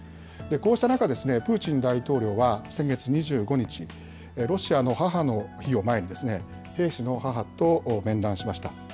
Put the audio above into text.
こうした中、プーチン大統領は先月２５日、ロシアの母の日を前に、兵士の母と面談しました。